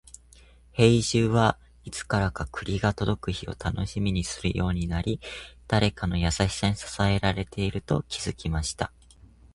兵十は、いつからか栗が届く日を楽しみにするようになり、誰かの優しさに支えられていると気づきました。